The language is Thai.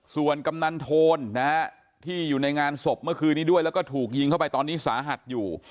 ส่วนกำนันโทนนะฮะที่อยู่ในงานศพเมื่อคืนนี้ด้วยแล้วก็ถูกยิงเข้าไปตอนนี้สาหัสอยู่